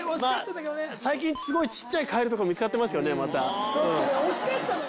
最近すごいちっちゃいカエルとか見つかってますからねまた惜しかったのよ